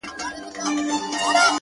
• دلته له ورځي سره لمر لکه شېبه ځلیږي ,